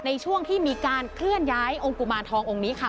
ในช่วงที่มีการเคลื่อนย้ายองค์กุมารทององค์นี้ค่ะ